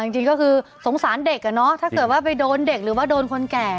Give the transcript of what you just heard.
จริงก็คือสงสารเด็กอะเนาะถ้าเกิดว่าไปโดนเด็กหรือว่าโดนคนแก่